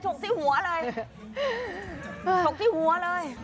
ฉกที่หัวเลย